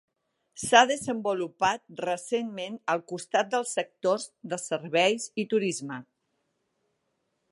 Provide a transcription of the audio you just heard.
S'ha desenvolupat recentment al costat dels sectors de serveis i turisme.